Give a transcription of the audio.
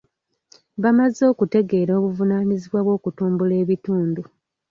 Bamaze okutegeera obuvunanyizibwa bw'okutumbula ebitundu.